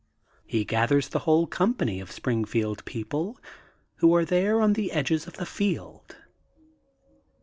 He gathers the whole company of Springfield people who are there on the edges of the field.